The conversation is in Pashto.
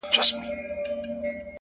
ستا د ښکلا په تصور کي یې تصویر ویده دی ـ